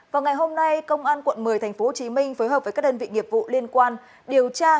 vào ngày hôm nay công an quận một mươi tp hcm phối hợp với các đơn vị nghiệp vụ liên quan điều tra